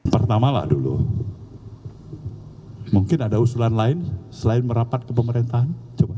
pertamalah dulu mungkin ada usulan lain selain merapat ke pemerintahan coba